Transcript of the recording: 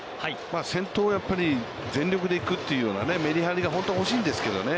先頭をやっぱり全力で行くというようなめり張りが本当は欲しいんですけどね。